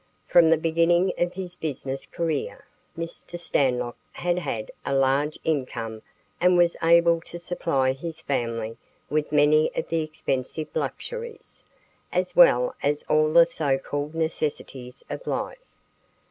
From the beginning of his business career, Mr. Stanlock had had a large income and was able to supply his family with many of the expensive luxuries, as well as all the so called necessities of life.